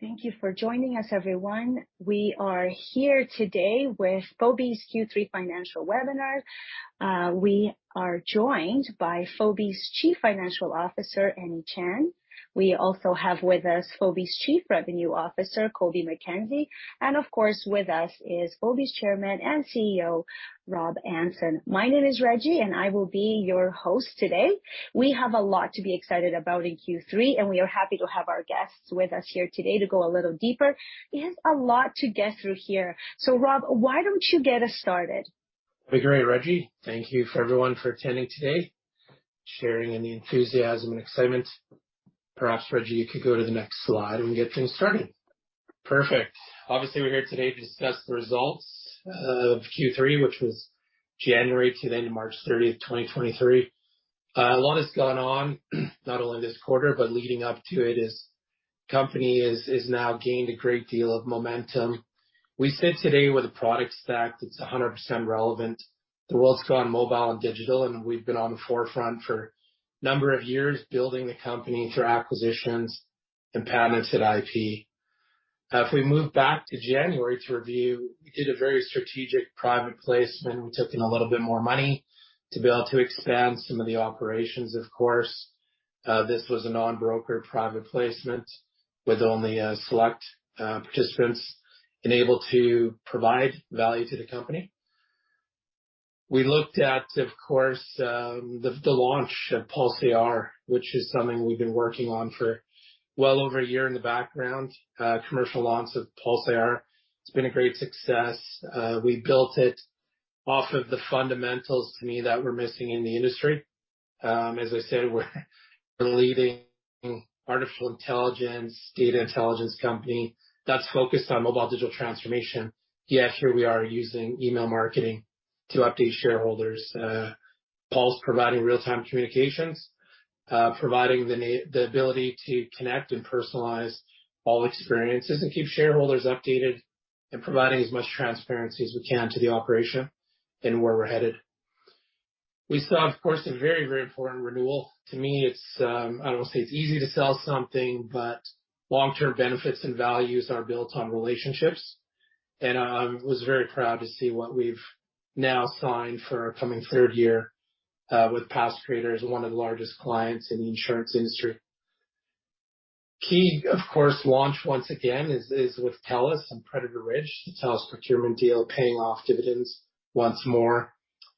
Thank you for joining us, everyone. We are here today with Fobi's Q3 financial webinar. We are joined by Fobi's Chief Financial Officer, Annie Chan. We also have with us Fobi's Chief Revenue Officer, Colby McKenzie. Of course, with us is Fobi's Chairman and CE`O, Rob Anson. My name is Reggie, and I will be your host today. We have a lot to be excited about in Q3, and we are happy to have our guests with us here today to go a little deeper. There's a lot to get through here. Rob, why don't you get us started? That'd be great, Reggie. Thank you for everyone for attending today, sharing in the enthusiasm and excitement. Perhaps, Reggie, you could go to the next slide and get things started. Perfect. Obviously, we're here today to discuss the results of Q3, which was January to then March 30, 2023. A lot has gone on, not only this quarter, but leading up to it, as company is now gained a great deal of momentum. We sit today with a product stack that's 100% relevant. The world's gone mobile and digital, we've been on the forefront for a number of years building the company through acquisitions and patented IP. If we move back to January to review, we did a very strategic private placement. We took in a little bit more money to be able to expand some of the operations, of course. This was a non-broker private placement with only select participants enabled to provide value to the company. We looked at, of course, the launch of PulseIR, which is something we've been working on for well over a year in the background. Commercial launch of PulseIR, it's been a great success. We built it off of the fundamentals to me that were missing in the industry. As I said, we're a leading artificial intelligence, data intelligence company that's focused on mobile digital transformation. Here we are using email marketing to update shareholders. PulseIR providing real-time communications, providing the ability to connect and personalize all experiences and keep shareholders updated, providing as much transparency as we can to the operation and where we're headed. We saw, of course, a very, very important renewal. To me, it's, I don't wanna say it's easy to sell something, but long-term benefits and values are built on relationships. I was very proud to see what we've now signed for our coming third year with Passcreator, as one of the largest clients in the insurance industry. Key, of course, launch once again is with TELUS and Predator Ridge. The TELUS procurement deal paying off dividends once more.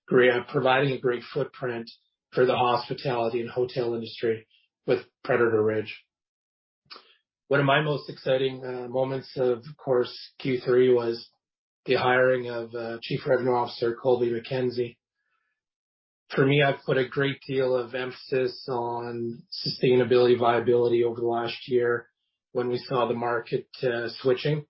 Providing a great footprint for the hospitality and hotel industry with Predator Ridge. One of my most exciting moments, of course, Q3 was the hiring of Chief Revenue Officer Colby McKenzie. For me, I've put a great deal of emphasis on sustainability, viability over the last year. When we saw the market switching,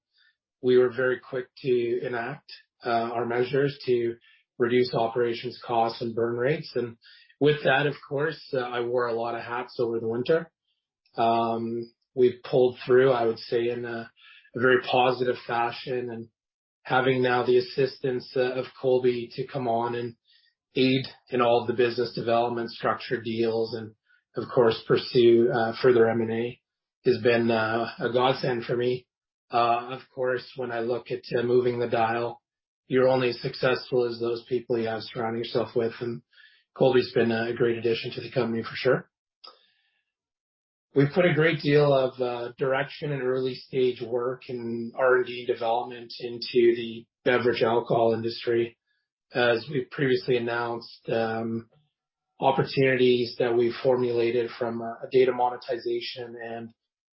we were very quick to enact our measures to reduce operations costs and burn rates. With that, of course, I wore a lot of hats over the winter. We've pulled through, I would say, in a very positive fashion, and having now the assistance of Colby to come on and aid in all the business development structure deals and of course, pursue further M&A, has been a godsend for me. Of course, when I look at moving the dial, you're only as successful as those people you have surrounding yourself with, and Colby's been a great addition to the company for sure. We've put a great deal of direction and early-stage work in R&D development into the beverage alcohol industry. As we've previously announced, opportunities that we formulated from a data monetization and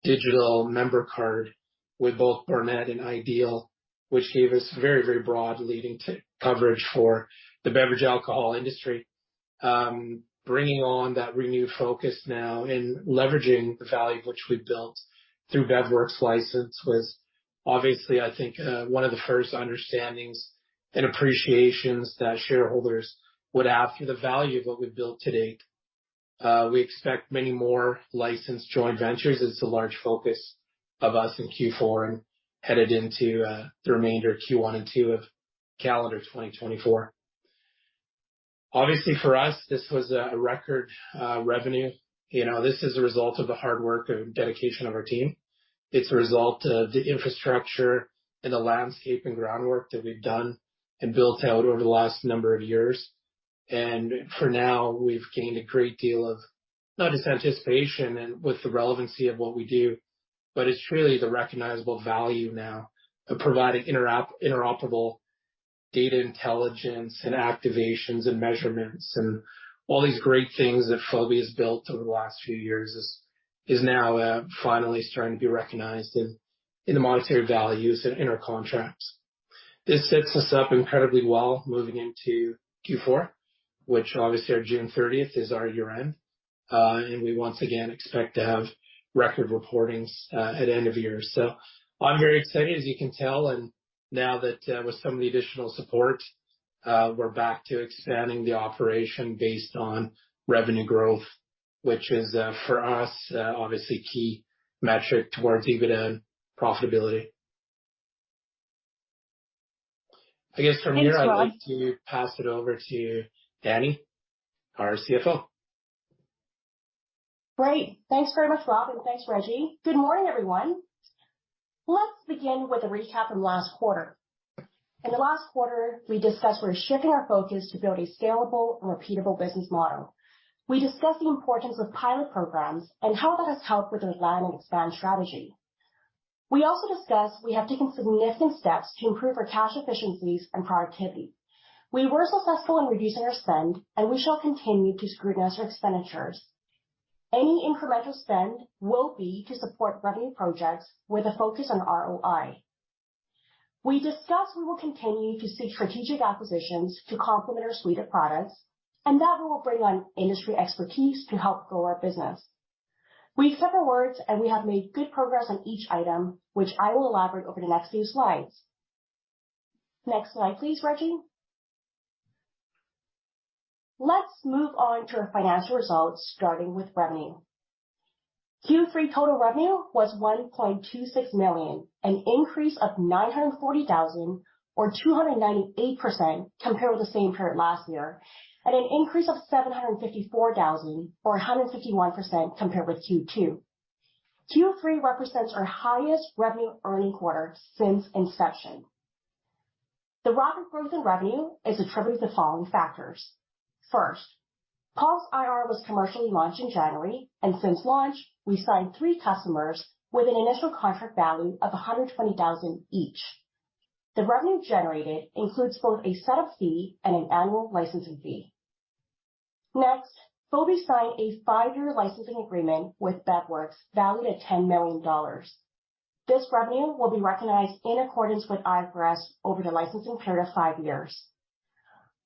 digital member card with both Barnet and Ideal, which gave us very, very broad leading to coverage for the beverage alcohol industry. Bringing on that renewed focus now and leveraging the value which we built through BevWorks license was obviously, I think, one of the first understandings and appreciations that shareholders would have for the value of what we've built to date. We expect many more licensed joint ventures. It's a large focus of us in Q4 and headed into the remainder of Q1 and Q2 of calendar 2024. Obviously, for us, this was a record revenue. You know, this is a result of the hard work and dedication of our team. It's a result of the infrastructure and the landscape and groundwork that we've done and built out over the last number of years. For now, we've gained a great deal of not just anticipation and with the relevancy of what we do, but it's really the recognizable value now of providing interoperable data intelligence and activations and measurements and all these great things that Fobi has built over the last few years is now finally starting to be recognized in the monetary values and in our contracts. This sets us up incredibly well moving into Q4, which obviously our June 30th is our year-end. We once again expect to have record reportings at end of year. I'm very excited, as you can tell. Now that, with some of the additional support, we're back to expanding the operation based on revenue growth, which is, for us, obviously key metric towards dividend profitability. I guess from here I'd like to pass it over to Annie, our CFO. Great. Thanks very much, Rob, and thanks, Reggie. Good morning, everyone. Let's begin with a recap from last quarter. In the last quarter, we discussed we're shifting our focus to build a scalable and repeatable business model. We discussed the importance of pilot programs and how that has helped with a land and expand strategy. We also discussed we have taken significant steps to improve our cash efficiencies and productivity. We were successful in reducing our spend, and we shall continue to scrutinize our expenditures. Any incremental spend will be to support revenue projects with a focus on ROI. We discussed we will continue to seek strategic acquisitions to complement our suite of products and that we will bring on industry expertise to help grow our business. We've set the words and we have made good progress on each item, which I will elaborate over the next few slides. Next slide, please, Reggie. Let's move on to our financial results, starting with revenue. Q3 total revenue was 1.26 million, an increase of 940,000 or 298% compared with the same period last year, and an increase of 754,000 or 151% compared with Q2. Q3 represents our highest revenue earning quarter since inception. The rapid growth in revenue is attributed to the following factors. First, PulseIR was commercially launched in January, and since launch, we signed three customers with an initial contract value of 120,000 each. The revenue generated includes both a setup fee and an annual licensing fee. Next, Fobi signed a five-year licensing agreement with BevWorks valued at $10 million. This revenue will be recognized in accordance with IFRS over the licensing period of five years.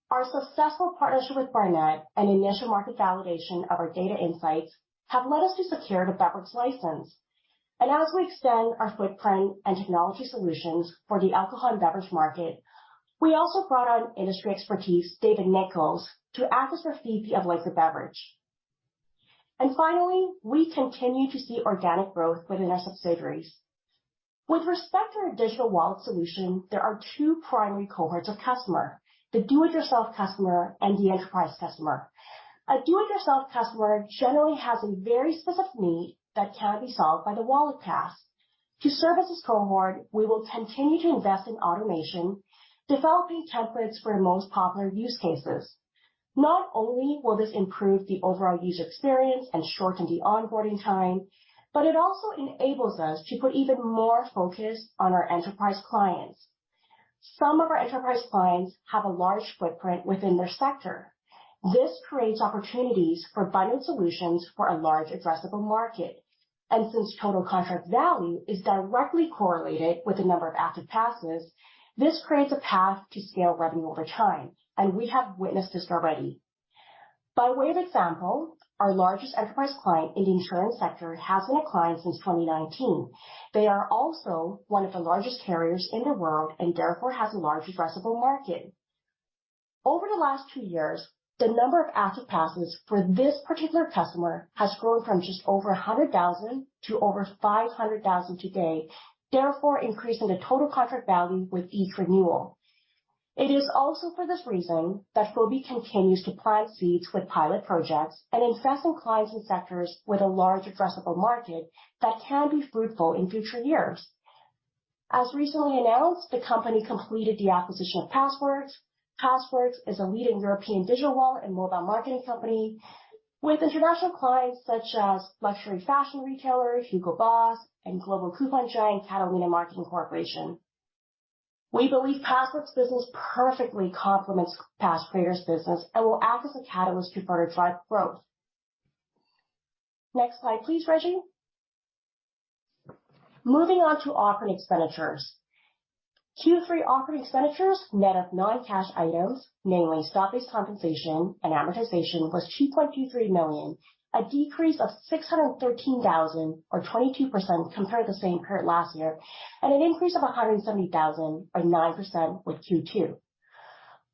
Our successful partnership with Barnet and initial market validation of our data insights have led us to secure the BevWorks license. As we extend our footprint and technology solutions for the alcohol and beverage market, we also brought on industry expertise, David Nicholls, to act as our VP of Liquor Beverage. Finally, we continue to see organic growth within our subsidiaries. With respect to our digital wallet solution, there are two primary cohorts of customer, the do-it-yourself customer and the enterprise customer. A do-it-yourself customer generally has a very specific need that can be solved by the wallet pass. To service this cohort, we will continue to invest in automation, developing templates for our most popular use cases. Not only will this improve the overall user experience and shorten the onboarding time, but it also enables us to put even more focus on our enterprise clients. Some of our enterprise clients have a large footprint within their sector. This creates opportunities for bundled solutions for a large addressable market. Since total contract value is directly correlated with the number of active passes, this creates a path to scale revenue over time, and we have witnessed this already. By way of example, our largest enterprise client in the insurance sector has been a client since 2019. They are also one of the largest carriers in the world and therefore has a large addressable market. Over the last two years, the number of active passes for this particular customer has grown from just over 100,000 to over 500,000 today, therefore increasing the total contract value with each renewal. It is also for this reason that Fobi continues to plant seeds with pilot projects and invest in clients and sectors with a large addressable market that can be fruitful in future years. As recently announced, the company completed the acquisition of Passworks. Passworks is a leading European digital wallet and mobile marketing company with international clients such as luxury fashion retailer Hugo Boss and global coupon giant Catalina Marketing Corporation. We believe Passworks business perfectly complements Passcreator's business and will act as a catalyst to further drive growth. Next slide, please, Reggie. Moving on to operating expenditures. Q3 operating expenditures, net of non-cash items, namely stock-based compensation and amortization, was 2.23 million, a decrease of 613,000 or 22% compared to the same period last year, and an increase of 170,000 or 9% with Q2.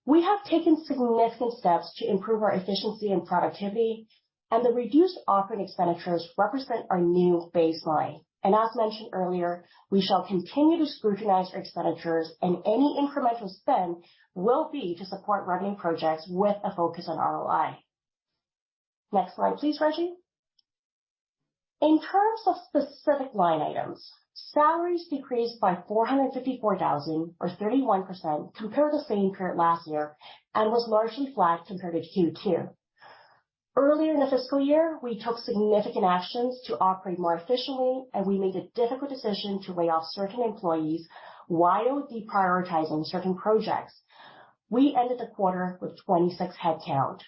We have taken significant steps to improve our efficiency and productivity, the reduced operating expenditures represent our new baseline. As mentioned earlier, we shall continue to scrutinize our expenditures and any incremental spend will be to support revenue projects with a focus on ROI. Next slide, please, Reggie. In terms of specific line items, salaries decreased by 454,000 or 31% compared to the same period last year and was largely flat compared to Q2. Earlier in the fiscal year, we took significant actions to operate more efficiently, and we made the difficult decision to lay off certain employees while deprioritizing certain projects. We ended the quarter with 26 headcount.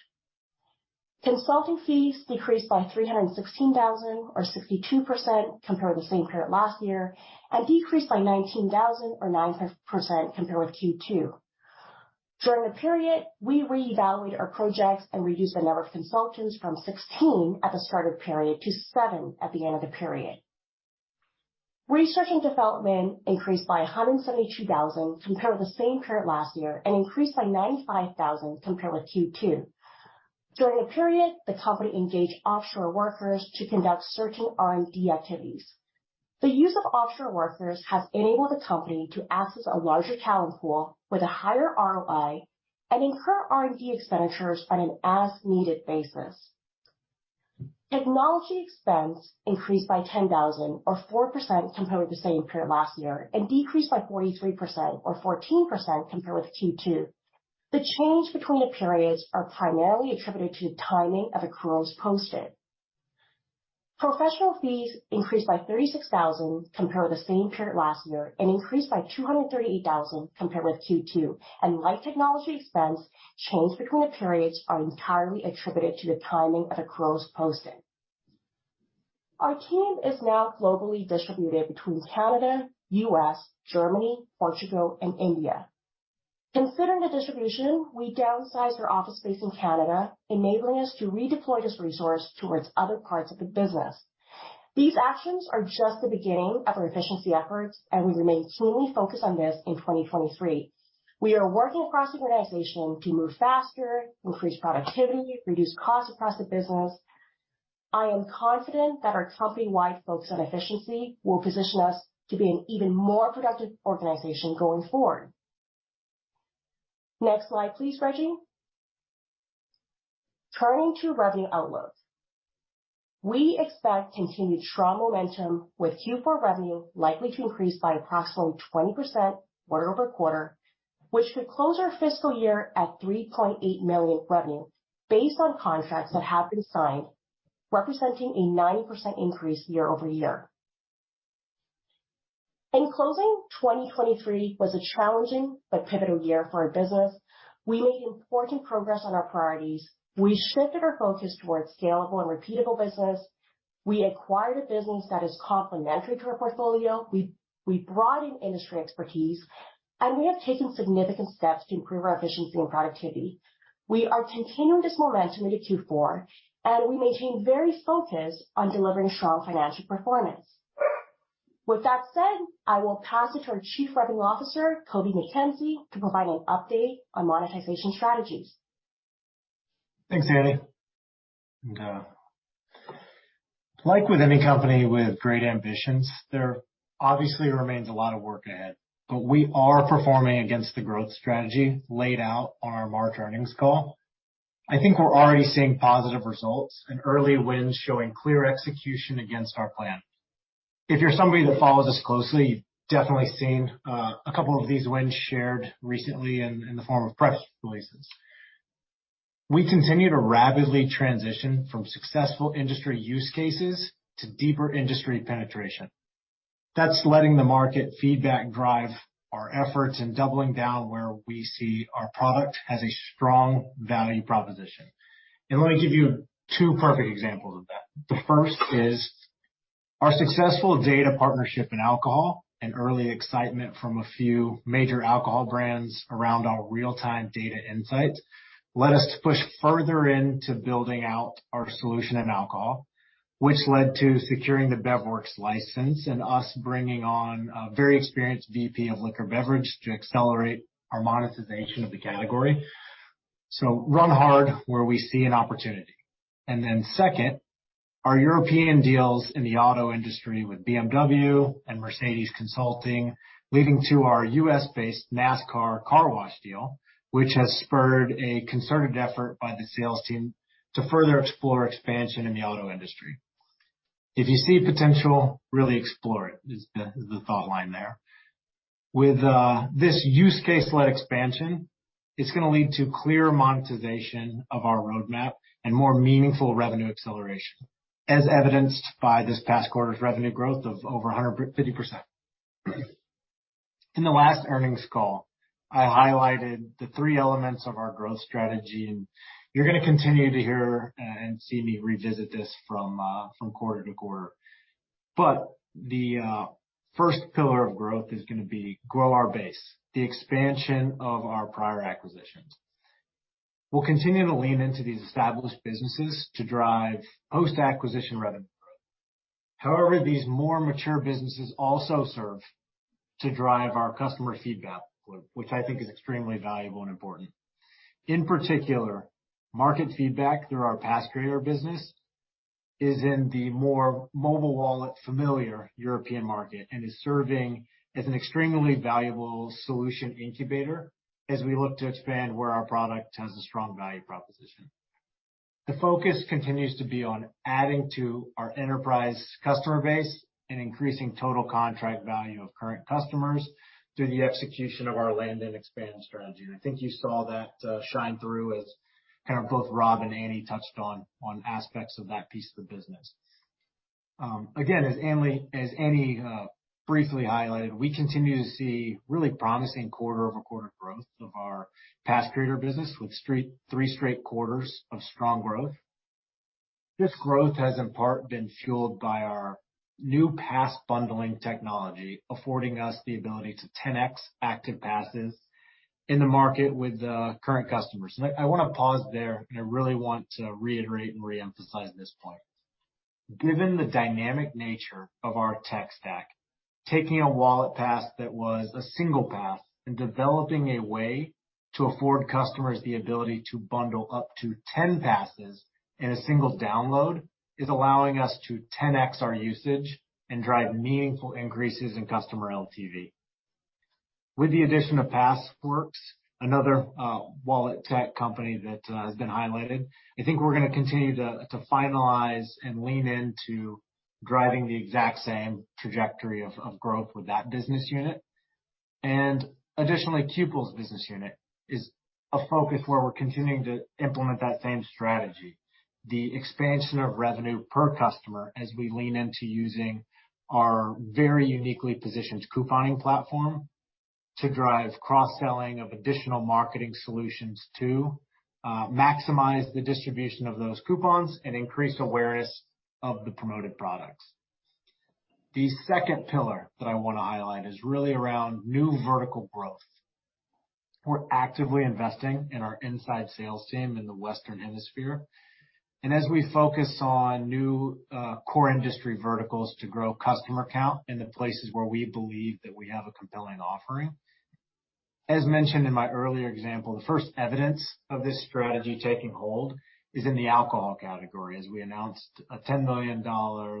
Consulting fees decreased by 316,000 or 62% compared to the same period last year and decreased by 19,000 or 9% compared with Q2. During the period, we reevaluated our projects and reduced the number of consultants from 16 at the start of period to 7 at the end of the period. Research and development increased by 172,000 compared with the same period last year and increased by 95,000 compared with Q2. During the period, the company engaged offshore workers to conduct certain R&D activities. The use of offshore workers has enabled the company to access a larger talent pool with a higher ROI and incur R&D expenditures on an as-needed basis. Technology expense increased by 10,000 or 4% compared with the same period last year, and decreased by 43% or 14% compared with Q2. The change between the periods are primarily attributed to timing of accruals posted. Professional fees increased by 36,000 compared with the same period last year and increased by 238,000 compared with Q2. Like technology expense, change between the periods are entirely attributed to the timing of accruals posted. Our team is now globally distributed between Canada, US, Germany, Portugal, and India. Considering the distribution, we downsized our office space in Canada, enabling us to redeploy this resource towards other parts of the business. These actions are just the beginning of our efficiency efforts. We remain keenly focused on this in 2023. We are working across the organization to move faster, increase productivity, reduce costs across the business. I am confident that our company-wide focus on efficiency will position us to be an even more productive organization going forward. Next slide, please, Reggie. Turning to revenue outlook. We expect continued strong momentum with Q4 revenue likely to increase by approximately 20% quarter-over-quarter, which should close our fiscal year at $3.8 million revenue based on contracts that have been signed, representing a 9% increase year-over-year. In closing, 2023 was a challenging but pivotal year for our business. We made important progress on our priorities. We shifted our focus towards scalable and repeatable business. We acquired a business that is complementary to our portfolio. We brought in industry expertise. We have taken significant steps to improve our efficiency and productivity. We are continuing this momentum into Q4. We maintain very focused on delivering strong financial performance. With that said, I will pass it to our Chief Revenue Officer, Colby McKenzie, to provide an update on monetization strategies. Thanks, Annie. Like with any company with great ambitions, there obviously remains a lot of work ahead, but we are performing against the growth strategy laid out on our March earnings call. I think we're already seeing positive results and early wins showing clear execution against our plan. If you're somebody that follows us closely, you've definitely seen a couple of these wins shared recently in the form of press releases. We continue to rapidly transition from successful industry use cases to deeper industry penetration. That's letting the market feedback drive our efforts and doubling down where we see our product has a strong value proposition. Let me give you two perfect examples of that. The first is our successful data partnership in alcohol and early excitement from a few major alcohol brands around our real-time data insights led us to push further into building out our solution in alcohol, which led to securing the BevWorks license and us bringing on a very experienced VP of Liquor Beverage to accelerate our monetization of the category. Run hard where we see an opportunity. Second, our European deals in the auto industry with BMW and Mercedes Consulting, leading to our US-based NASCAR Car Wash deal, which has spurred a concerted effort by the sales team to further explore expansion in the auto industry. If you see potential, really explore it is the, is the thought line there. With this use case-led expansion, it's gonna lead to clear monetization of our roadmap and more meaningful revenue acceleration, as evidenced by this past quarter's revenue growth of over 50%. In the last earnings call, I highlighted the three elements of our growth strategy, and you're gonna continue to hear and see me revisit this quarter-to-quarter. The first pillar of growth is gonna be grow our base, the expansion of our prior acquisitions. We'll continue to lean into these established businesses to drive post-acquisition revenue growth. However, these more mature businesses also serve to drive our customer feedback loop, which I think is extremely valuable and important. In particular, market feedback through our Passcreator business is in the more mobile wallet familiar European market and is serving as an extremely valuable solution incubator as we look to expand where our product has a strong value proposition. The focus continues to be on adding to our enterprise customer base and increasing total contract value of current customers through the execution of our land and expand strategy. I think you saw that shine through as kind of both Rob and Annie touched on aspects of that piece of the business. Again, as Annie briefly highlighted, we continue to see really promising quarter-over-quarter growth of our Passcreator business with 3 straight quarters of strong growth. This growth has in part been fueled by our new pass bundling technology, affording us the ability to 10x active passes in the market with current customers. I wanna pause there, and I really want to reiterate and reemphasize this point. Given the dynamic nature of our tech stack, taking a wallet pass that was a single pass and developing a way to afford customers the ability to bundle up to 10 passes in a single download is allowing us to 10x our usage and drive meaningful increases in customer LTV. With the addition of Passworks, another wallet tech company that has been highlighted, I think we're gonna continue to finalize and lean into driving the exact same trajectory of growth with that business unit. Additionally, Qples' business unit is a focus where we're continuing to implement that same strategy. The expansion of revenue per customer as we lean into using our very uniquely positioned couponing platform to drive cross-selling of additional marketing solutions to maximize the distribution of those coupons and increase awareness of the promoted products. The second pillar that I wanna highlight is really around new vertical growth. We're actively investing in our inside sales team in the Western Hemisphere, as we focus on new core industry verticals to grow customer count in the places where we believe that we have a compelling offering. As mentioned in my earlier example, the first evidence of this strategy taking hold is in the alcohol category, as we announced a $10 million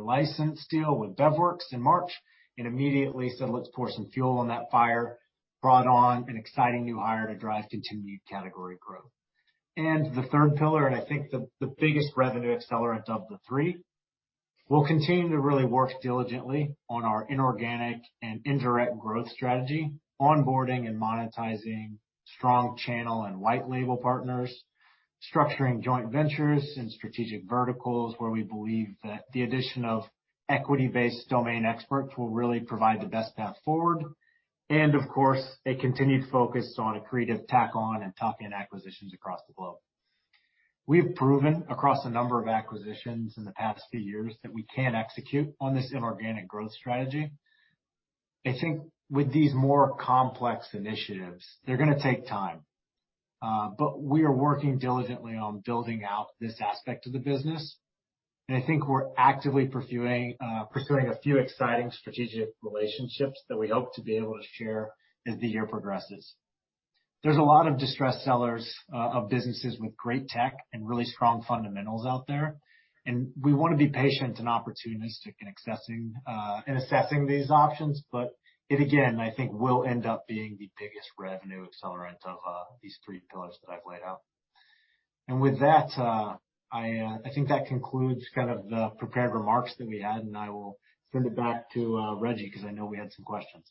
license deal with BevWorks in March and immediately said, "Let's pour some fuel on that fire," brought on an exciting new hire to drive continued category growth. The third pillar, I think the biggest revenue accelerant of the three, we'll continue to really work diligently on our inorganic and indirect growth strategy, onboarding and monetizing strong channel and white label partners, structuring joint ventures in strategic verticals where we believe that the addition of equity-based domain experts will really provide the best path forward, and of course, a continued focus on accretive tack-on and tuck-in acquisitions across the globe. We have proven across a number of acquisitions in the past few years that we can execute on this inorganic growth strategy. I think with these more complex initiatives, they're gonna take time. We are working diligently on building out this aspect of the business, and I think we're actively pursuing a few exciting strategic relationships that we hope to be able to share as the year progresses. There's a lot of distressed sellers of businesses with great tech and really strong fundamentals out there. We wanna be patient and opportunistic in accessing, in assessing these options. It again, I think will end up being the biggest revenue accelerant of these three pillars that I've laid out. With that, I think that concludes kind of the prepared remarks that we had, and I will send it back to Reggie, 'cause I know we had some questions.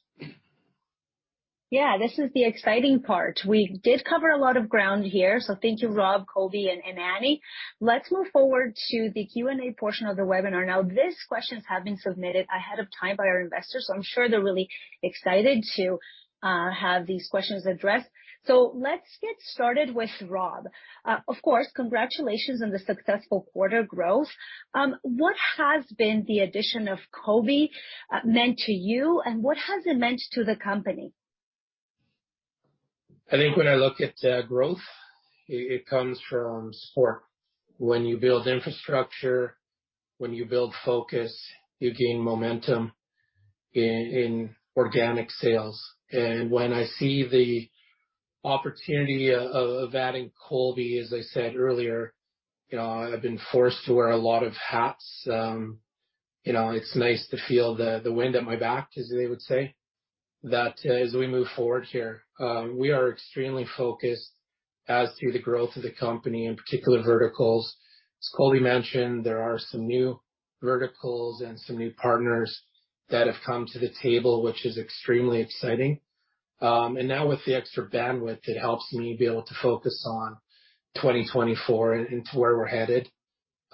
Yeah, this is the exciting part. We did cover a lot of ground here, so thank you, Rob, Colby, and Annie. Let's move forward to the Q&A portion of the webinar. These questions have been submitted ahead of time by our investors, so I'm sure they're really excited to have these questions addressed. Let's get started with Rob. Of course, congratulations on the successful quarter growth. What has been the addition of Colby meant to you, and what has it meant to the company? I think when I look at growth, it comes from support. When you build infrastructure, when you build focus, you gain momentum in organic sales. When I see the opportunity of adding Colby, as I said earlier, you know, I've been forced to wear a lot of hats. You know, it's nice to feel the wind at my back, as they would say, that as we move forward here. We are extremely focused as to the growth of the company, in particular verticals. As Colby mentioned, there are some new verticals and some new partners that have come to the table, which is extremely exciting. Now with the extra bandwidth, it helps me be able to focus on 2024 and to where we're headed,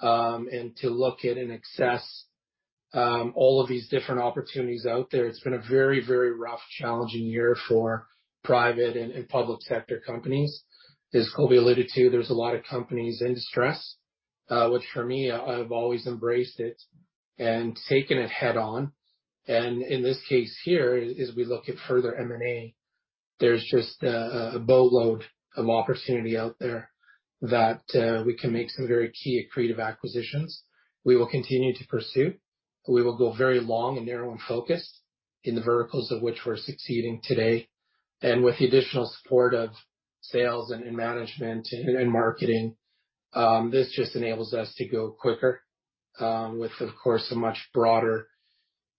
and to look at and assess, all of these different opportunities out there. It's been a very, very rough, challenging year for private and public sector companies. As Colby alluded to, there's a lot of companies in distress, which for me, I've always embraced it and taken it head on. In this case here, as we look at further M&A, there's just a boatload of opportunity out there that we can make some very key accretive acquisitions. We will continue to pursue. We will go very long and narrow in focus in the verticals of which we're succeeding today. With the additional support of sales and management and marketing, this just enables us to go quicker, with, of course, a much broader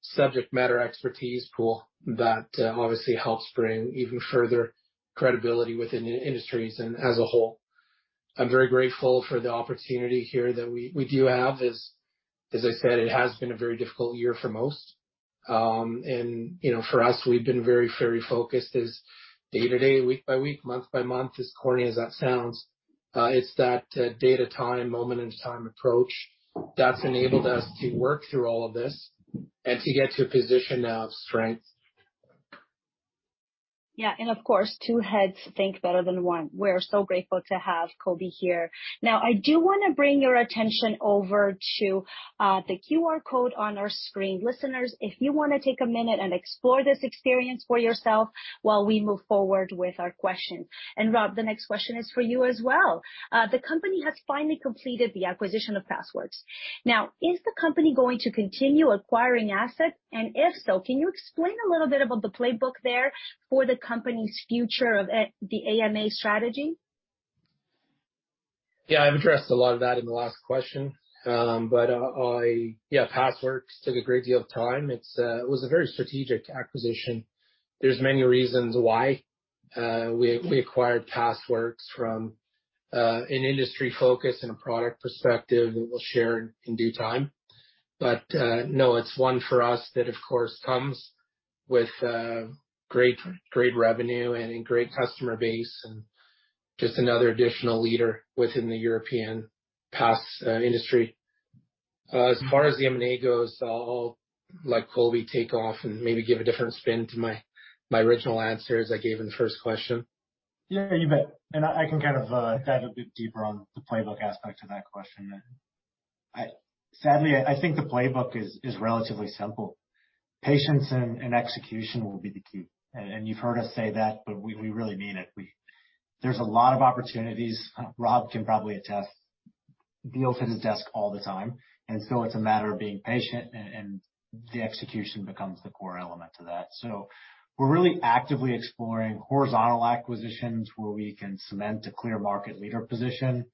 subject matter expertise pool that obviously helps bring even further credibility within the industries and as a whole. I'm very grateful for the opportunity here that we do have as I said, it has been a very difficult year for most. You know, for us, we've been very, very focused as day to day, week by week, month by month, as corny as that sounds. It's that day at a time, moment into time approach that's enabled us to work through all of this and to get to a position now of strength. Yeah, and of course, two heads think better than one. We're so grateful to have Colby here. Now, I do wanna bring your attention over to the QR code on our screen. Listeners, if you wanna take a minute and explore this experience for yourself while we move forward with our questions. Rob, the next question is for you as well. The company has finally completed the acquisition of Passworks. Now, is the company going to continue acquiring assets? If so, can you explain a little bit about the playbook there for the company's future of the MA strategy? I've addressed a lot of that in the last question. Yeah, Passworks took a great deal of time. It's it was a very strategic acquisition. There's many reasons why we acquired Passworks from an industry focus and a product perspective that we'll share in due time. No, it's one for us that of course comes with great revenue and a great customer base and just another additional leader within the European pass industry. As far as the M&A goes, I'll let Colby take off and maybe give a different spin to my original answer as I gave in the first question. Yeah, you bet. I can kind of dive a bit deeper on the playbook aspect to that question then. Sadly, I think the playbook is relatively simple. Patience and execution will be the key. You've heard us say that, we really mean it. There's a lot of opportunities, Rob Anson can probably attest, deals hit his desk all the time, it's a matter of being patient and the execution becomes the core element to that. We're really actively exploring horizontal acquisitions where we can cement a clear market leader position,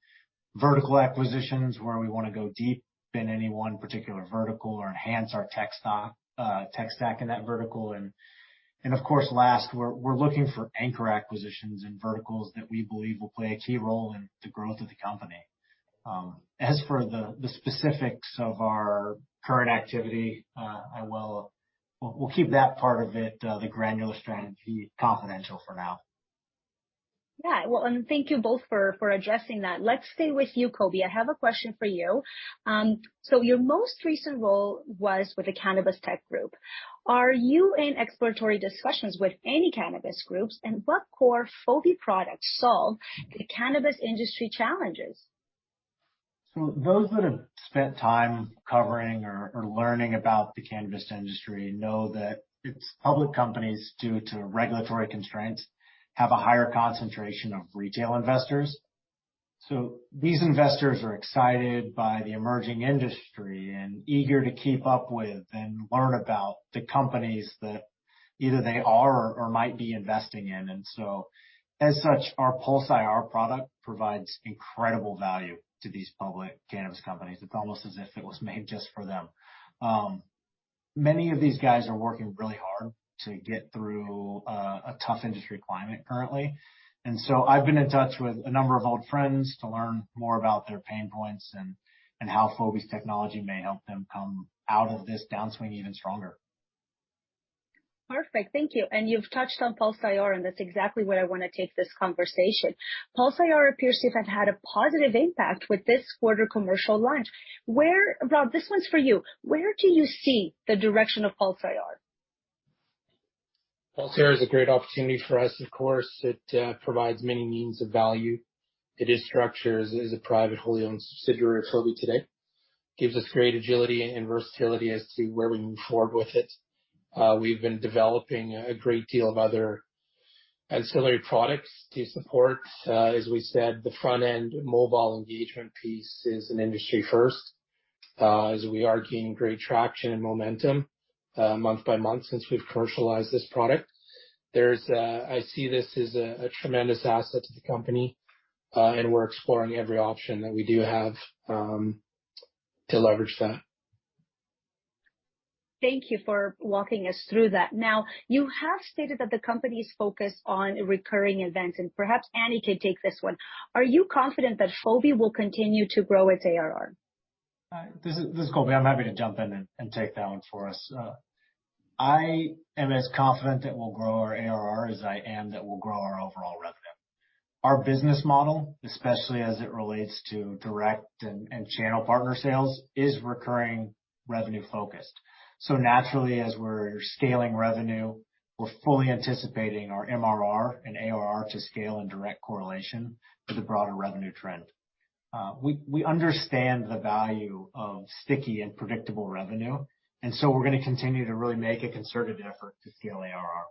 vertical acquisitions where we wanna go deep in any one particular vertical or enhance our tech stack in that vertical. Of course last, we're looking for anchor acquisitions in verticals that we believe will play a key role in the growth of the company. As for the specifics of our current activity, We'll keep that part of it, the granular strategy confidential for now. Well, thank you both for addressing that. Let's stay with you, Colby. I have a question for you. Your most recent role was with the Cannabis Tech Group. Are you in exploratory discussions with any cannabis groups, and what core Fobi products solve the cannabis industry challenges? Those that have spent time covering or learning about the cannabis industry know that its public companies, due to regulatory constraints, have a higher concentration of retail investors. These investors are excited by the emerging industry and eager to keep up with and learn about the companies that either they are or might be investing in. As such, our PulseIR product provides incredible value to these public cannabis companies. It's almost as if it was made just for them. Many of these guys are working really hard to get through a tough industry climate currently. I've been in touch with a number of old friends to learn more about their pain points and how Fobi's technology may help them come out of this downswing even stronger. Perfect. Thank you. You've touched on PulseIR. That's exactly where I wanna take this conversation. PulseIR appears to have had a positive impact with this quarter commercial launch. Rob, this one's for you. Where do you see the direction of PulseIR? PulseIR is a great opportunity for us, of course. It provides many means of value. It is structured as a private, wholly owned subsidiary of Fobi today. Gives us great agility and versatility as to where we move forward with it. We've been developing a great deal of other ancillary products to support. As we said, the front-end mobile engagement piece is an industry first. As we are gaining great traction and momentum, month by month since we've commercialized this product, I see this as a tremendous asset to the company, and we're exploring every option that we do have to leverage that. Thank you for walking us through that. Now, you have stated that the company is focused on recurring events, and perhaps Annie can take this one. Are you confident that Fobi will continue to grow its ARR? This is Colby. I'm happy to jump in and take that one for us. I am as confident that we'll grow our ARR as I am that we'll grow our overall revenue. Our business model, especially as it relates to direct and channel partner sales, is recurring revenue-focused. Naturally, as we're scaling revenue, we're fully anticipating our MRR and ARR to scale in direct correlation with the broader revenue trend. We understand the value of sticky and predictable revenue, we're gonna continue to really make a concerted effort to scale ARR.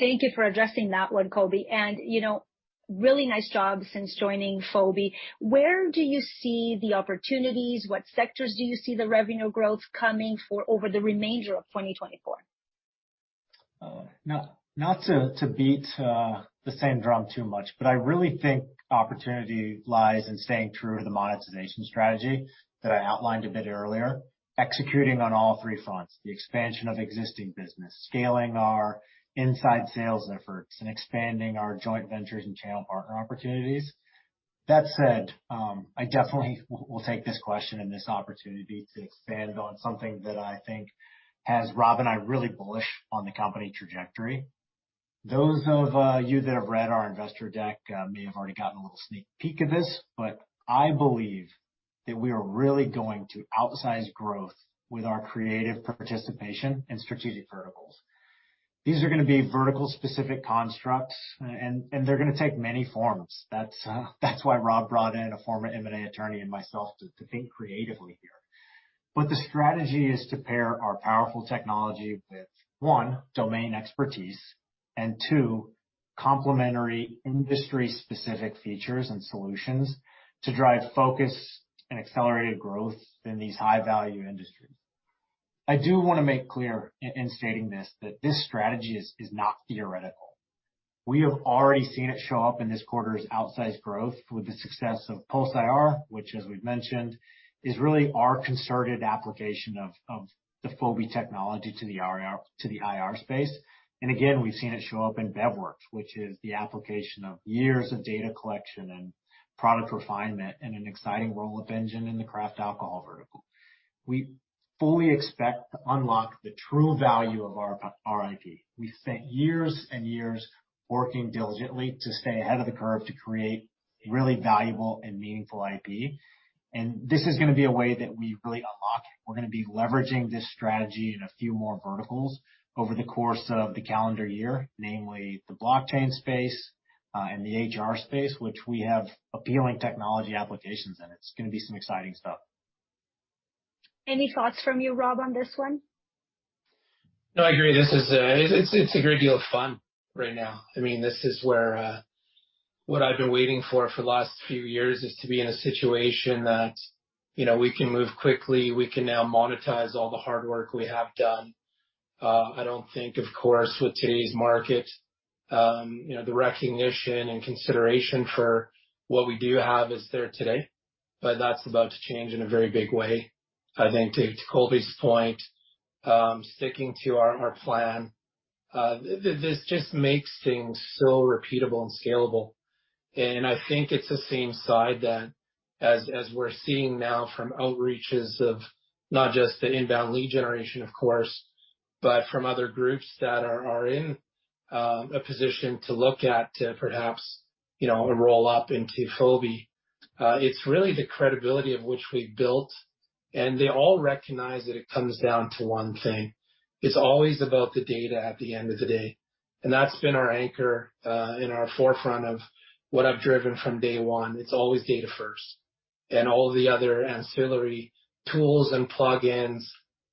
Thank you for addressing that one, Colby. You know, really nice job since joining Fobi. Where do you see the opportunities? What sectors do you see the revenue growth coming for over the remainder of 2024? Not to beat the same drum too much, I really think opportunity lies in staying true to the monetization strategy that I outlined a bit earlier, executing on all three fronts, the expansion of existing business, scaling our inside sales efforts, and expanding our joint ventures and channel partner opportunities. That said, I definitely will take this question and this opportunity to expand on something that I think has Rob and I really bullish on the company trajectory. Those of you that have read our investor deck may have already gotten a little sneak peek of this, I believe that we are really going to outsize growth with our creative participation in strategic verticals. These are gonna be vertical-specific constructs, and they're gonna take many forms. That's, that's why Rob brought in a former M&A attorney and myself to think creatively here. The strategy is to pair our powerful technology with, one, domain expertise, and two, complementary industry-specific features and solutions to drive focus and accelerated growth in these high-value industries. I do wanna make clear in stating this, that this strategy is not theoretical. We have already seen it show up in this quarter's outsized growth with the success of PulseIR, which, as we've mentioned, is really our concerted application of the Fobi technology to the IR space. Again, we've seen it show up in BevWorks, which is the application of years of data collection and product refinement, and an exciting roll-up engine in the craft alcohol vertical. We fully expect to unlock the true value of our IP. We spent years and years working diligently to stay ahead of the curve to create really valuable and meaningful IP, and this is gonna be a way that we really unlock it. We're gonna be leveraging this strategy in a few more verticals over the course of the calendar year, namely the blockchain space, and the HR space, which we have appealing technology applications, and it's gonna be some exciting stuff. Any thoughts from you, Rob, on this one? No, I agree. This is, it's a great deal of fun right now. I mean, this is where, what I've been waiting for the last few years is to be in a situation that, you know, we can move quickly, we can now monetize all the hard work we have done. I don't think, of course, with today's market, you know, the recognition and consideration for what we do have is there today, but that's about to change in a very big way. I think to Colby's point, sticking to our plan, this just makes things so repeatable and scalable. I think it's the same side that as we're seeing now from outreaches of not just the inbound lead generation, of course, but from other groups that are in a position to look at to perhaps, you know, roll up into Fobi. It's really the credibility of which we've built, and they all recognize that it comes down to one thing. It's always about the data at the end of the day. That's been our anchor and our forefront of what I've driven from day one. It's always data first. All the other ancillary tools and plugins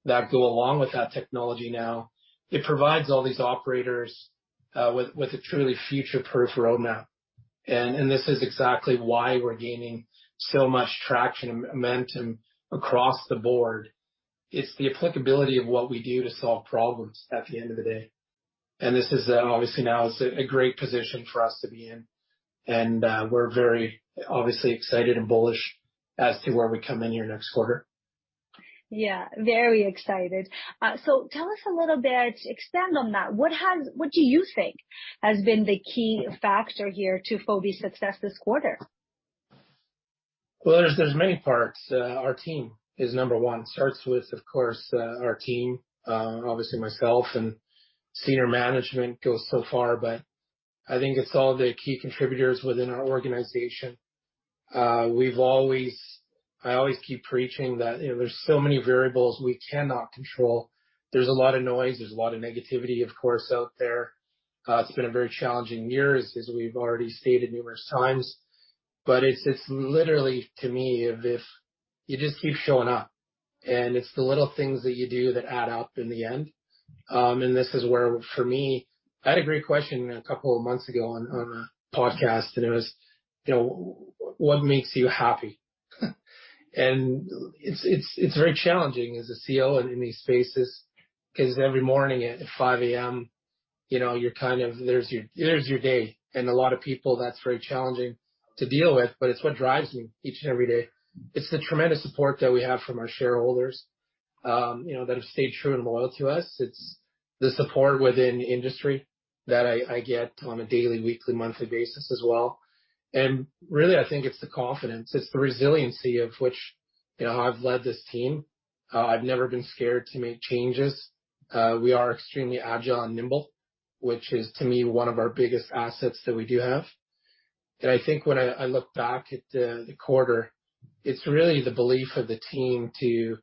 that go along with that technology now, it provides all these operators with a truly future-proof roadmap. This is exactly why we're gaining so much traction and momentum across the board. It's the applicability of what we do to solve problems at the end of the day. This is, obviously now is a great position for us to be in. We're very obviously excited and bullish as to where we come in here next quarter. Yeah, very excited. Tell us a little bit, expand on that. What do you think has been the key factor here to Fobi's success this quarter? Well, there's many parts. Our team is number one. It starts with, of course, our team, obviously myself and senior management goes so far, but I think it's all the key contributors within our organization. I always keep preaching that, you know, there's so many variables we cannot control. There's a lot of noise, there's a lot of negativity, of course, out there. It's been a very challenging year, as we've already stated numerous times. It's literally to me if you just keep showing up, and it's the little things that you do that add up in the end. This is where for me, I had a great question a couple of months ago on a podcast and it was, you know, what makes you happy? It's very challenging as a CEO and in these spaces, 'cause every morning at 5:00A.M., you know, you're kind of, there's your day. A lot of people, that's very challenging to deal with, but it's what drives me each and every day. It's the tremendous support that we have from our shareholders, you know, that have stayed true and loyal to us. It's the support within industry that I get on a daily, weekly, monthly basis as well. Really, I think it's the confidence, it's the resiliency of which, you know, I've led this team. I've never been scared to make changes. We are extremely agile and nimble, which is, to me, one of our biggest assets that we do have. I think when I look back at the quarter, it's really the belief of the team to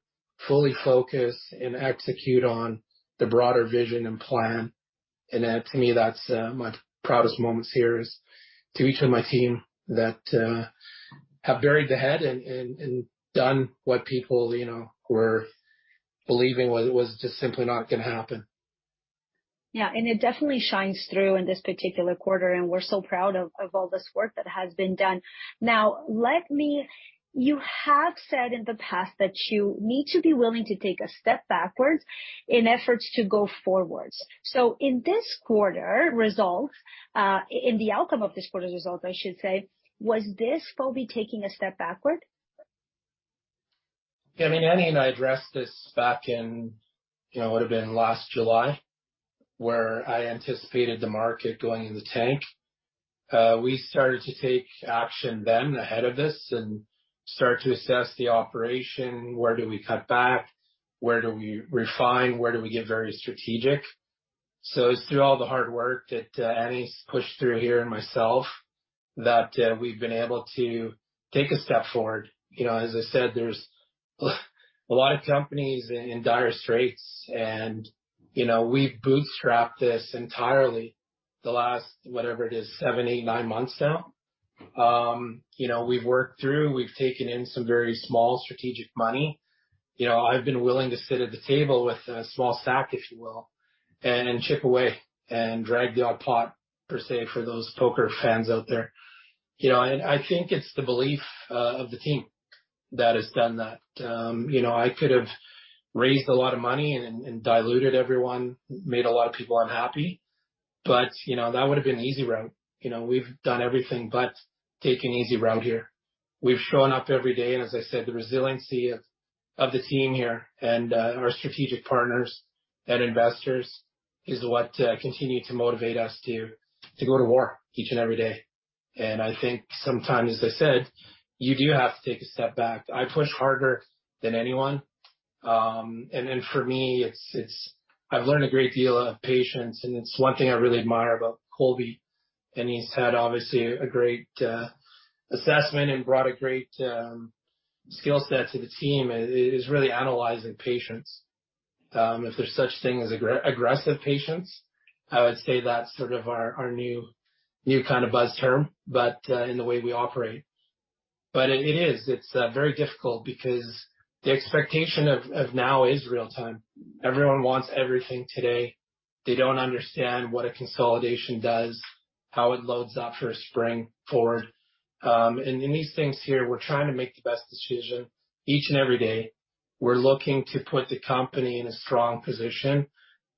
fully focus and execute on the broader vision and plan. To me, that's my proudest moments here is to each of my team that have buried the head and done what people, you know, were believing was just simply not gonna happen. Yeah. It definitely shines through in this particular quarter, and we're so proud of all this work that has been done. You have said in the past that you need to be willing to take a step backwards in efforts to go forwards. In this quarter results, in the outcome of this quarter's results, I should say, was this Fobi taking a step backward? Yeah. I mean, Annie and I addressed this back in, you know, it would have been last July, where I anticipated the market going in the tank. We started to take action ahead of this and start to assess the operation, where do we cut back, where do we refine, where do we get very strategic. It's through all the hard work that Annie's pushed through here and myself that we've been able to take a step forward. You know, as I said, there's a lot of companies in dire straits and, you know, we've bootstrapped this entirely the last, whatever it is, seven, eight, nine months now. You know, we've worked through. We've taken in some very small strategic money. You know, I've been willing to sit at the table with a small sack, if you will, and chip away and drag the odd pot per se, for those poker fans out there. You know, I think it's the belief of the team that has done that. You know, I could have raised a lot of money and diluted everyone, made a lot of people unhappy, but, you know, that would have been the easy route. You know, we've done everything but take an easy route here. We've shown up every day, and as I said, the resiliency of the team here and our strategic partners and investors is what continue to motivate us to go to war each and every day. I think sometimes, as I said, you do have to take a step back. I push harder than anyone. For me, it's, I've learned a great deal of patience, and it's one thing I really admire about Colby, and he's had obviously a great assessment and brought a great skill set to the team. It is really analyzing patience. If there's such thing as aggressive patience, I would say that's sort of our new kind of buzz term in the way we operate. It is. It's very difficult because the expectation of now is real time. Everyone wants everything today. They don't understand what a consolidation does, how it loads up for a spring forward. In these things here, we're trying to make the best decision each and every day. We're looking to put the company in a strong position,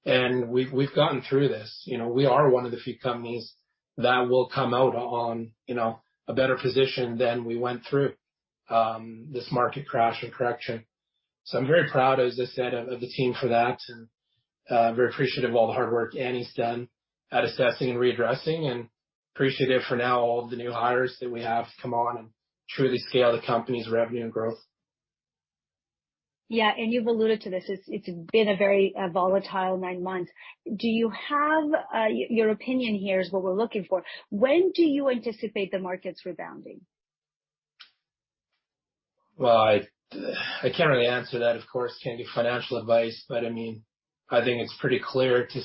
and we've gotten through this. You know, we are one of the few companies that will come out on, you know, a better position than we went through, this market crash or correction. I'm very proud, as I said, of the team for that and very appreciative of all the hard work Annie's done at assessing and readdressing and appreciative for now all of the new hires that we have come on and truly scale the company's revenue and growth. Yeah. you've alluded to this. It's been a very volatile nine months. Do you have your opinion here is what we're looking for. When do you anticipate the markets rebounding? Well, I can't really answer that, of course, can't give financial advice, but, I mean, I think it's pretty clear to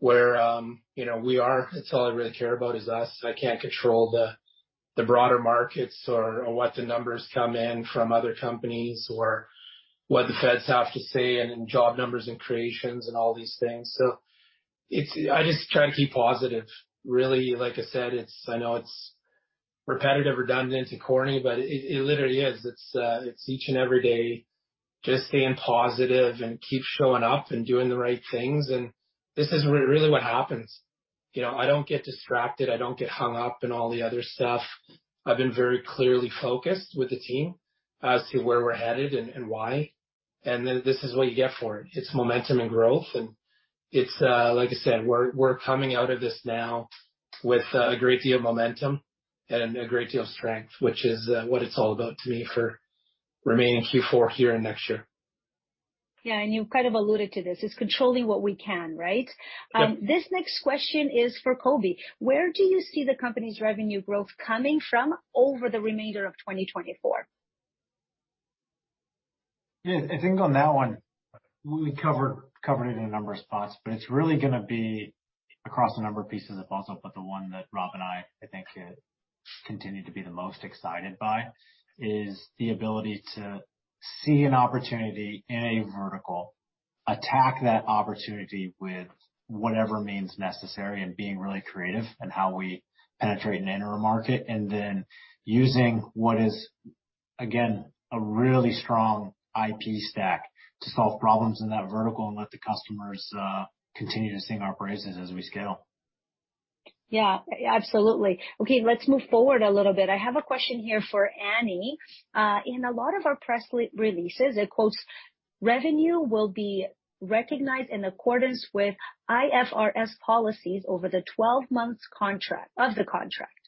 see where, you know we are. That's all I really care about is us. I can't control the broader markets or what the numbers come in from other companies or what the feds have to say and job numbers and creations and all these things. I just try to keep positive, really. Like I said, it's. I know it's repetitive, redundant, and corny, but it literally is. It's each and every day just staying positive and keep showing up and doing the right things. This is really what happens. You know, I don't get distracted. I don't get hung up on all the other stuff. I've been very clearly focused with the team as to where we're headed and why. This is what you get for it. It's momentum and growth, and it's, like I said, we're coming out of this now with a great deal of momentum and a great deal of strength, which is what it's all about to me for remaining Q4 here and next year. Yeah. You've kind of alluded to this. It's controlling what we can, right? Yeah. This next question is for Colby. Where do you see the company's revenue growth coming from over the remainder of 2024? Yeah. I think on that one, we covered it in a number of spots, but it's really gonna be across a number of pieces of the puzzle, but the one that Rob and I think continue to be the most excited by is the ability to see an opportunity in a vertical, attack that opportunity with whatever means necessary, and being really creative in how we penetrate and enter a market, and then using what is, again, a really strong IP stack to solve problems in that vertical and let the customers continue to sing our praises as we scale. Yeah. Absolutely. Okay, let's move forward a little bit. I have a question here for Annie. In a lot of our press releases, it quotes, "Revenue will be recognized in accordance with IFRS policies over the 12 months of the contract."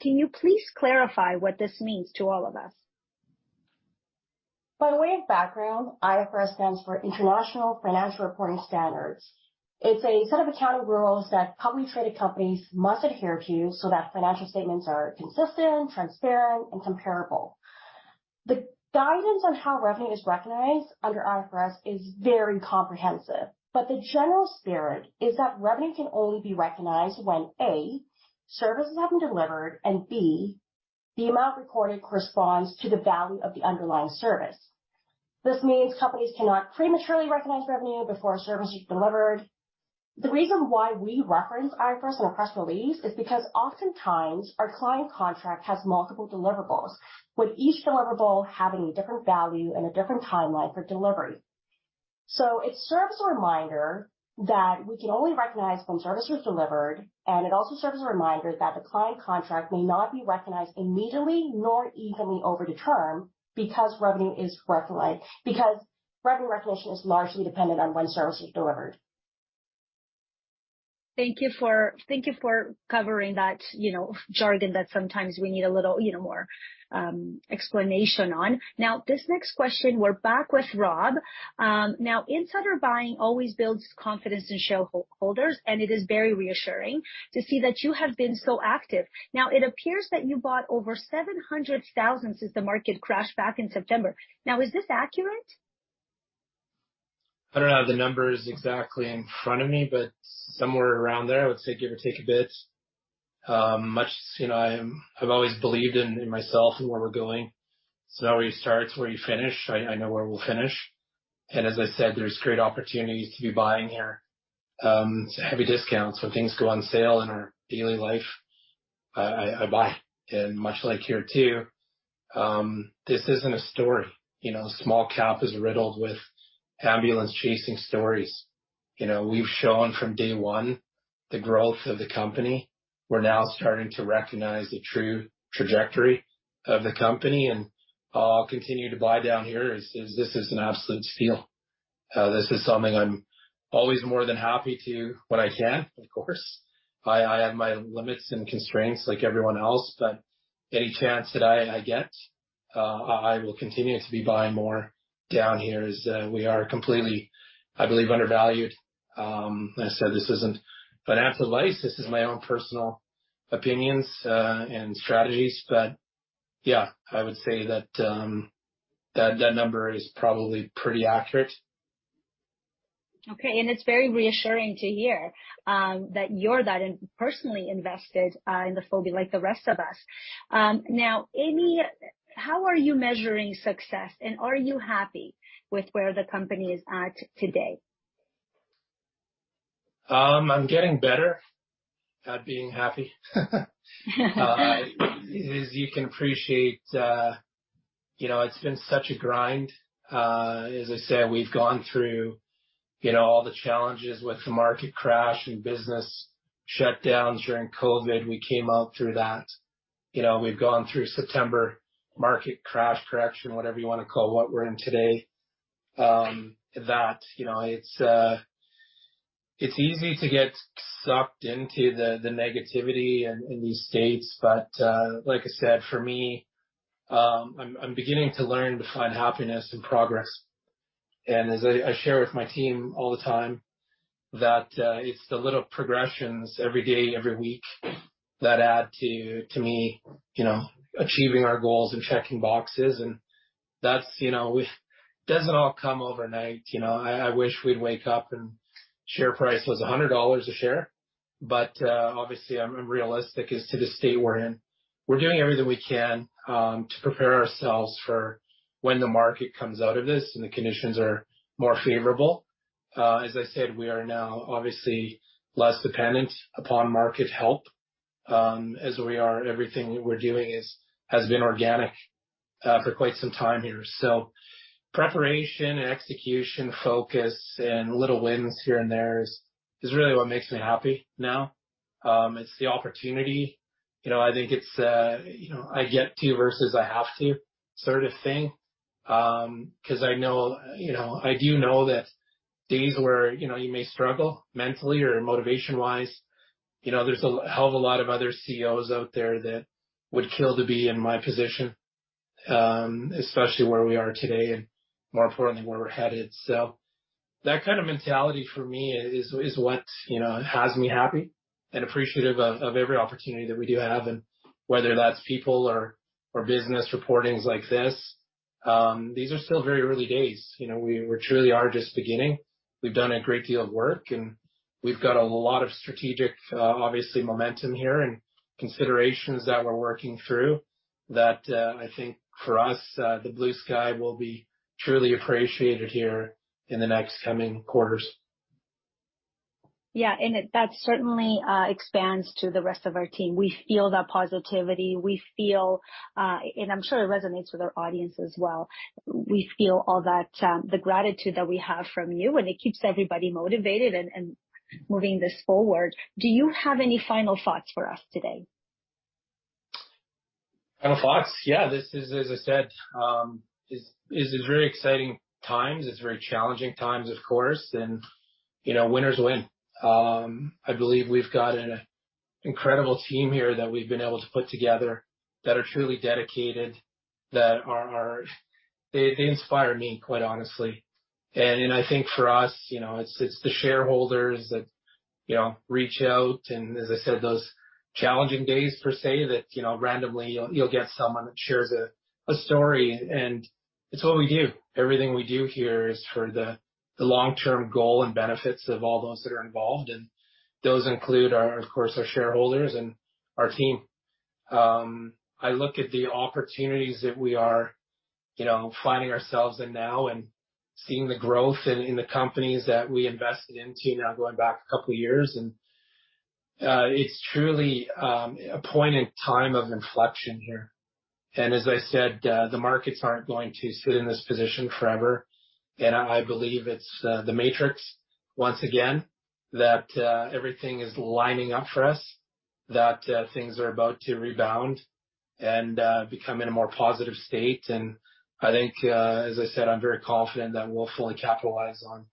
Can you please clarify what this means to all of us? By way of background, IFRS stands for International Financial Reporting Standards. It's a set of accounting rules that publicly traded companies must adhere to so that financial statements are consistent, transparent, and comparable. The guidance on how revenue is recognized under IFRS is very comprehensive, but the general spirit is that revenue can only be recognized when, A, services have been delivered and, B, the amount recorded corresponds to the value of the underlying service. This means companies cannot prematurely recognize revenue before a service is delivered. The reason why we reference IFRS in our press release is because oftentimes our client contract has multiple deliverables, with each deliverable having a different value and a different timeline for delivery. It serves as a reminder that we can only recognize when service was delivered, and it also serves as a reminder that the client contract may not be recognized immediately nor evenly over the term because revenue recognition is largely dependent on when service is delivered. Thank you for covering that, you know, jargon that sometimes we need a little, you know, more explanation on. This next question, we're back with Rob. Insider buying always builds confidence in shareholders, and it is very reassuring to see that you have been so active. It appears that you bought over 700,000 since the market crashed back in September. Is this accurate? I don't have the numbers exactly in front of me, but somewhere around there, I would say give or take a bit. Much, you know, I've always believed in myself and where we're going. It's not where you start, it's where you finish. I know where we'll finish. As I said, there's great opportunities to be buying here. Heavy discounts. When things go on sale in our daily life, I buy. Much like here too, this isn't a story. You know, small cap is riddled with ambulance-chasing stories. You know, we've shown from day one the growth of the company. We're now starting to recognize the true trajectory of the company, and I'll continue to buy down here as this is an absolute steal. This is something I'm always more than happy to when I can, of course. I have my limits and constraints like everyone else. Any chance that I get, I will continue to be buying more down here as we are completely, I believe, undervalued. Like I said, this isn't financial advice, this is my own personal opinions, and strategies. Yeah, I would say that number is probably pretty accurate. Okay. It's very reassuring to hear, that you're that personally invested, in the Fobi like the rest of us. Annie, how are you measuring success, and are you happy with where the company is at today? I'm getting better at being happy. As you can appreciate, you know, it's been such a grind. As I said, we've gone through, you know, all the challenges with the market crash and business shutdowns during COVID. We came out through that. You know, we've gone through September market crash, correction, whatever you wanna call what we're in today. That, you know, it's easy to get sucked into the negativity in these states. Like I said, for me, I'm beginning to learn to find happiness and progress. As I share with my team all the time that it's the little progressions every day, every week that add to me, you know, achieving our goals and checking boxes. That's, you know, we. It doesn't all come overnight, you know. I wish we'd wake up and share price was $100 a share. Obviously, I'm realistic as to the state we're in. We're doing everything we can to prepare ourselves for when the market comes out of this and the conditions are more favorable. As I said, we are now obviously less dependent upon market help, as we are. Everything we're doing has been organic for quite some time here. Preparation and execution, focus and little wins here and there is really what makes me happy now. It's the opportunity. You know, I think it's, you know, I get to versus I have to sort of thing. 'Cause I know, you know, I do know that days where, you know, you may struggle mentally or motivation-wise, you know, there's a hell of a lot of other CEOs out there that would kill to be in my position, especially where we are today, and more importantly, where we're headed. That kind of mentality for me is what, you know, has me happy and appreciative of every opportunity that we do have, and whether that's people or business reportings like this. These are still very early days. You know, we truly are just beginning. We've done a great deal of work, and we've got a lot of strategic, obviously momentum here and considerations that we're working through that, I think for us, the blue sky will be truly appreciated here in the next coming quarters. Yeah. That certainly expands to the rest of our team. We feel that positivity. We feel, and I'm sure it resonates with our audience as well. We feel all that, the gratitude that we have from you, and it keeps everybody motivated and moving this forward. Do you have any final thoughts for us today? Final thoughts? Yeah. This is, as I said, is very exciting times. It's very challenging times, of course, and, you know, winners win. I believe we've got an incredible team here that we've been able to put together that are truly dedicated, that are They inspire me, quite honestly. I think for us, you know, it's the shareholders that, you know, reach out and as I said, those challenging days per se, that, you know, randomly you'll get someone that shares a story and it's what we do. Everything we do here is for the long-term goal and benefits of all those that are involved, and those include our, of course, our shareholders and our team. I look at the opportunities that we are, you know, finding ourselves in now and seeing the growth in the companies that we invested into now going back a couple of years. It's truly a point in time of inflection here. As I said, the markets aren't going to sit in this position forever. I believe it's the matrix once again that everything is lining up for us, that things are about to rebound and become in a more positive state. I think, as I said, I'm very confident that we'll fully capitalize on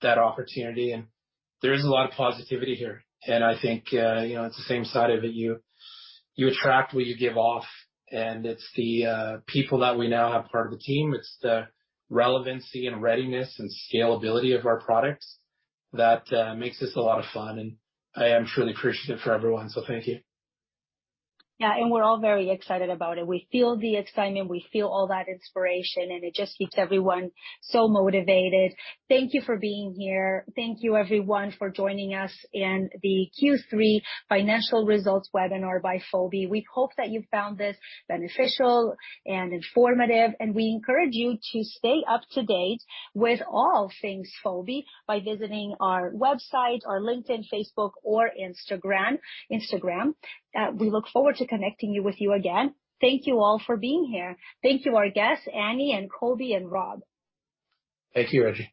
that opportunity. There is a lot of positivity here, and I think, you know, it's the same side of it. You attract what you give off. It's the people that we now have part of the team. It's the relevancy and readiness and scalability of our products that makes this a lot of fun. I am truly appreciative for everyone. Thank you. Yeah. We're all very excited about it. We feel the excitement, we feel all that inspiration, and it just keeps everyone so motivated. Thank you for being here. Thank you everyone for joining us in the Q3 financial results webinar by Fobi AI. We hope that you found this beneficial and informative, and we encourage you to stay up to date with all things Fobi AI by visiting our website, our LinkedIn, Facebook, or Instagram. We look forward to connecting you with you again. Thank you all for being here. Thank you our guests, Annie and Colby and Rob. Thank you, Reggie.